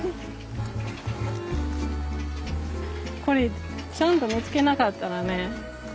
これちゃんと見つけなかったらね